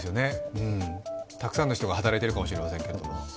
たくさんの人が働いているかもしれないですけど。